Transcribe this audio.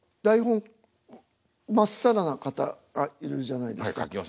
台本まっさらな方いるじゃないですか。